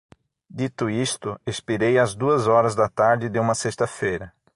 Dito isto, expirei às duas horas da tarde de uma sexta-feira